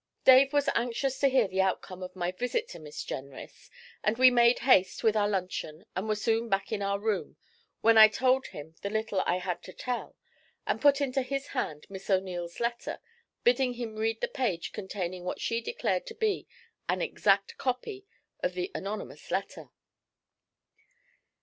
Dave was anxious to hear the outcome of my visit to Miss Jenrys, and we made haste with our luncheon and were soon back in our room, when I told him the little I had to tell and put into his hand Miss O'Neil's letter, bidding him read the page containing what she declared to be an 'exact copy' of the anonymous letter.